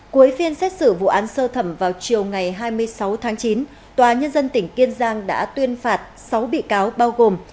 cuối phiên xét xử vụ án sơ thẩm vào chiều ngày hai mươi sáu tháng chín tòa nhân dân tỉnh kiên giang đã tuyên phạt sáu bị cáo bao gồm